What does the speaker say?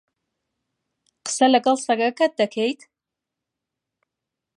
قسە لەگەڵ سەگەکەت دەکەیت؟